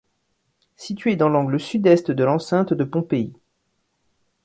Situé dans l'angle sud-est de l'enceinte de Pompéi.